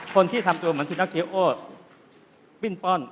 คนที่ทำตัวที่ฟินป้อน